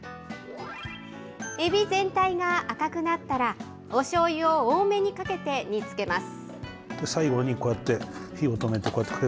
エビ全体が赤くなったら、おしょうゆを多めにかけて煮つけます。